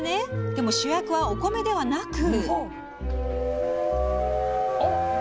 でも、主役はお米ではなく。